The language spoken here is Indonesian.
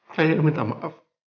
saya yang minta maaf